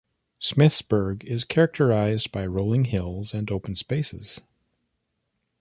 Smithsburg is characterized by rolling hills and open space.